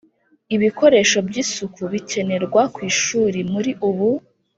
ibikoresho by isuku bikenerwa ku ishuri Muri ubu